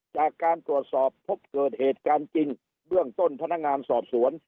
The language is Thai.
จากการตรวจสอบพบเกิดเหตุการณ์จริงเบื้องต้นพนักงานสอบสวน